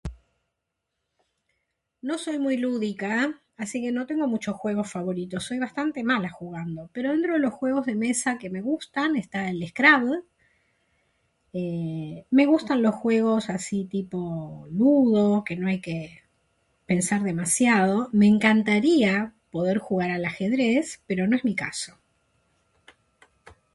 No soy muy lúdica, así que no tengo muchos juegos favoritos, soy bastante mala jugando. Pero dentro de los juegos de mesa que me gustan está el Scrabble, eh... me gustan los juegos así tipo... ludo... que no hay que... pensar demasiado. Me encantaría porder jugar al ajedrez, pero no es mi caso.